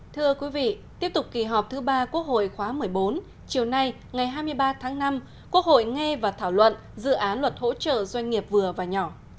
thưa quý vị tiếp tục kỳ họp thứ ba quốc hội khóa một mươi bốn chiều nay ngày hai mươi ba tháng năm quốc hội nghe và thảo luận dự án luật hỗ trợ doanh nghiệp vừa và nhỏ